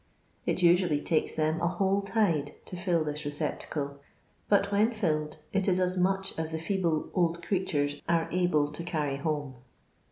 It usually takea them a wliole ' tide to fill this recepttcle, but when filled, it is as much as the feeble old creatures are able to carry home.